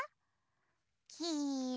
きいろ？